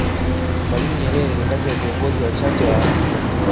Mwalimu Nyerere ni kati ya viingozi wachache wa Afrika